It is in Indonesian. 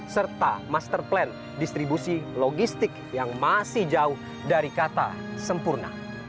serta master plan distribusi logistik yang masih jauh dari kata sempurna